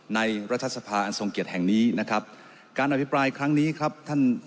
รัฐสภาอันทรงเกียรติแห่งนี้นะครับการอภิปรายครั้งนี้ครับท่าน